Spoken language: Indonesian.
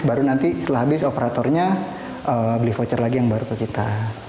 baru nanti setelah habis operatornya beli voucher lagi yang baru ke kita